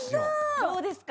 どうですか？